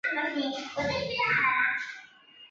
滚动及相对特定表面平移的的运动。